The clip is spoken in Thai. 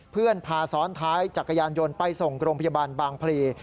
เพื่อนพาซ้อนท้ายจักรยานยนต์ไปส่งโรงพยาบาลบางพลี